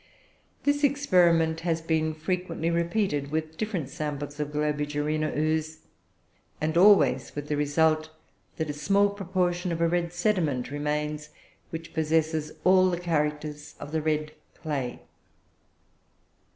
This experiment has been frequently repeated with different samples of Globigerina ooze, and always with the result that a small proportion of a red sediment remains, which possesses all the characters of the red clay."